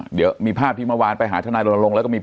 เดี๋ยวมีภาพที่เมื่อวานไปหาทนายลง